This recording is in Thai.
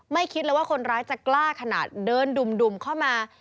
คิดเลยว่าคนร้ายจะกล้าขนาดเดินดุ่มเข้ามา